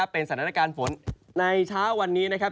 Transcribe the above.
เป็นสนบัติการฝนในเช้าวันนี้นะครับ